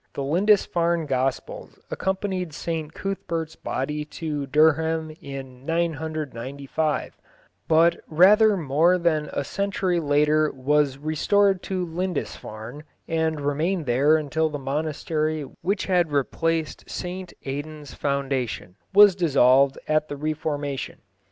The Lindisfarne Gospels accompanied St Cuthbert's body to Durham in 995, but rather more than a century later was restored to Lindisfarne, and remained there until the monastery which had replaced St Aidan's foundation was dissolved at the Reformation.